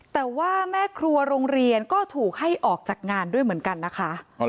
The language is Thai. แต่ว่าแม่ครัวโรงเรียนก็ถูกให้ออกจากงานด้วยเหมือนกันนะคะ